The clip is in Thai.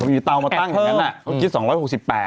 มีเตามาตั้งอย่างนั้นน่ะก็คิด๒๖๘บาท